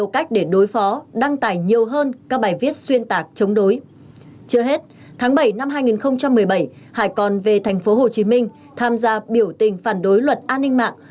chưa hết tháng bảy năm hai nghìn một mươi bảy hải còn về thành phố hồ chí minh tham gia biểu tình phản đối luật an ninh mạng